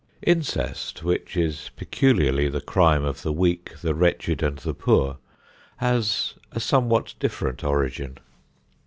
Incest, which is peculiarly the crime of the weak, the wretched and the poor, has a somewhat different origin.